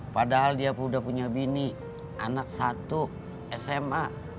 padahal dia sudah punya bini anak satu sma